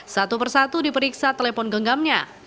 satu persatu diperiksa telepon genggamnya